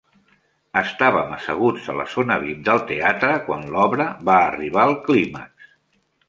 Estàvem asseguts a la zona VIP del teatre quan l'obra va arribar al clímax.